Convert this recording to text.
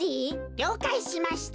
りょうかいしました。